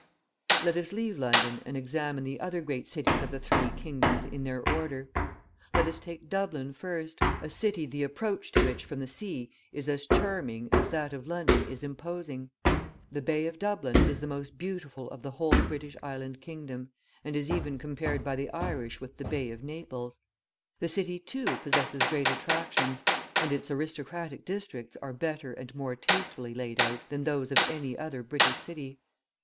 Let us leave London and examine the other great cities of the three kingdoms in their order. Let us take Dublin first, a city the approach to which from the sea is as charming as that of London is imposing. The Bay of Dublin is the most beautiful of the whole British Island Kingdom, and is even compared by the Irish with the Bay of Naples. The city, too, possesses great attractions, and its aristocratic districts are better and more tastefully laid out than those of any other British city.